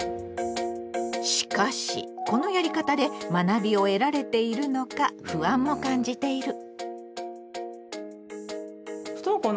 しかしこのやり方で学びを得られているのか不安も感じている。